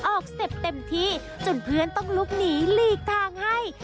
ออกเซ็ปเต็มที่จนเพื่อนต้องลุกหนีหลีกทางให้